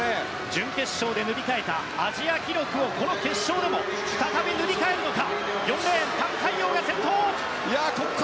準決勝で塗り替えたアジア記録をこの決勝でも再び塗り替えるのか。